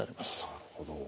なるほど。